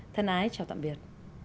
thân ái chào tạm biệt